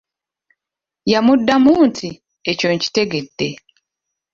"Yamuddamu nti “Ekyo nkitegedde""."